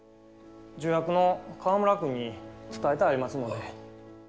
助役の川村君に伝えてありますので。